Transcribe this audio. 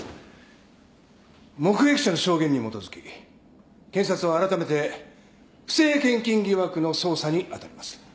目撃者の証言に基づき検察はあらためて不正献金疑惑の捜査に当たります。